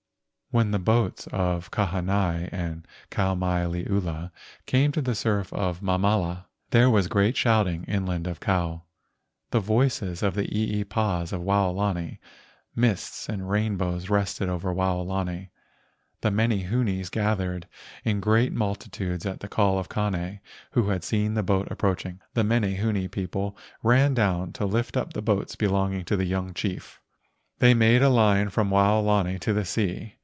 When the boats of Kahanai and Kau mai liula came to the surf of Mamala, there was great shouting inland of Kou, the voices of the eepas of Waolani. Mists and rainbows rested over Waolani. The menehunes gathered in great multitudes at the call of Kane, who had seen the boats approaching. The menehune people ran down to lift up the boats belonging to the young chief. They made a line from Waolani to the sea.